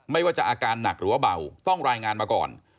ไม่ว่าจะอาการหนักหรือว่าเบาต้องรายงานมาก่อน